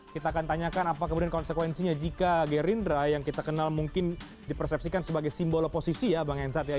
kita akan tanyakan apa kemudian konsekuensinya jika gerindra yang kita kenal mungkin dipersepsikan sebagai simbol oposisi ya bang hensat ya